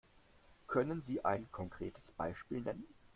Können Sie ein konkretes Beispiel nennen?